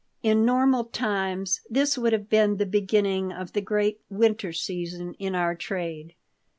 In normal times this would have been the beginning of the great "winter season" in our trade.